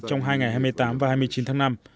trong hai ngày hai mươi tám và hai mươi chín tháng năm